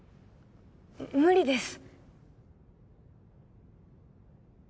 無理です。